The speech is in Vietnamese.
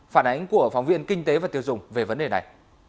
phản ánh của phóng viên kinh tế và tiêu dùng về vấn đề này